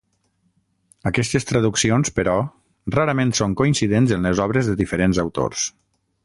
Aquestes traduccions, però, rarament són coincidents en les obres de diferents autors.